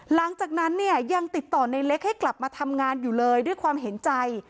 หลังจากนั้นเนี่ยยังติดต่อในเล็กให้กลับมาทำงานอยู่เลยด้วยความเห็นใจ